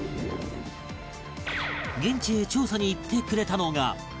現地へ調査に行ってくれたのが